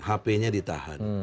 hp nya ditahan